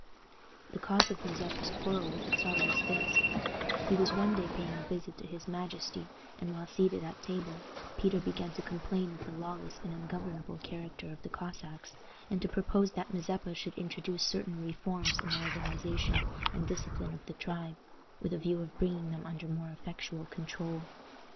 The cause of Mazeppa's quarrel with the Czar was this: He was one day paying a visit to his majesty, and, while seated at table, Peter began to complain of the lawless and ungovernable character of the Cossacks, and to propose that Mazeppa should introduce certain reforms in the organization and discipline of the tribe, with a view of bringing them under more effectual control.